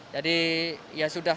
jadi ya sudah